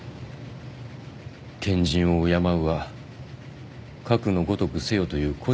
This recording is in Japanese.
賢人を敬うはかくのごとくせよという故事でございます。